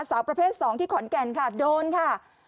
สาวประเภท๒ที่ขอนแก่นค่ะโดนค่ะ